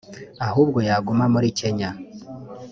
ahubwo yaguma muri Kenya”